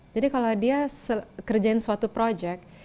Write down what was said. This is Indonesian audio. jadi kalau dia kerjain suatu proyek